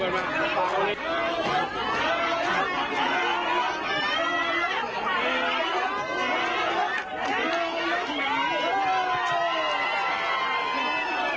ใจยุกใจยุกใจยุกใจยุก